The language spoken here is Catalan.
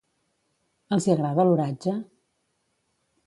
Els hi agrada l'oratge?